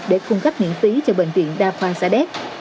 để cung cấp miễn phí cho bệnh viện đa khoan sa đéc